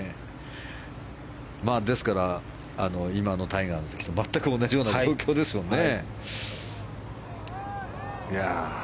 ですから今のタイガーの時と全く同じような状況ですもんね。